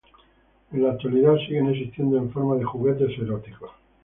En la actualidad siguen existiendo en forma de juguetes eróticos.